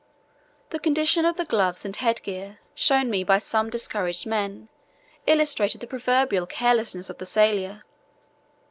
The condition of the gloves and headgear shown me by some discouraged men illustrated the proverbial carelessness of the sailor.